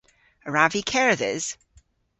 A wrav vy kerdhes?